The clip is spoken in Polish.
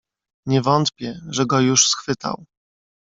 "Nie wątpię, że go już schwytał."